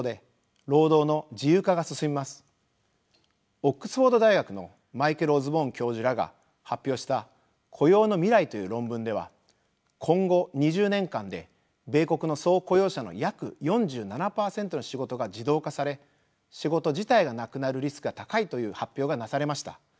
オックスフォード大学のマイケル・オズボーン教授らが発表した「雇用の未来」という論文では今後２０年間で米国の総雇用者の約４７％の仕事が自動化され仕事自体がなくなるリスクが高いという発表がなされました。